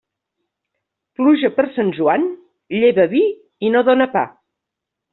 Pluja per Sant Joan, lleva vi i no dóna pa.